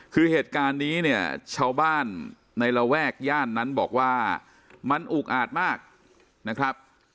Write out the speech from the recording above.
คือเหตุการณ์นี้เนี่ยชาวบ้านในระแวกย่านนั้นบอกว่ามันอุกอาจมากนะครับ